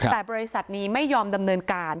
แต่บริษัทนี้ไม่ยอมดำเนินการ